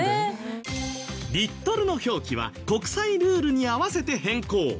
リットルの表記は国際ルールに合わせて変更。